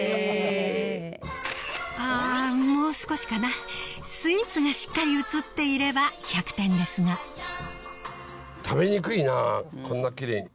あもう少しかなスイーツがしっかり写っていれば１００点ですが食べにくいなこんなキレイ。